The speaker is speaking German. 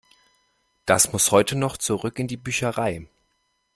Das muss heute noch zurück in die Bücherei.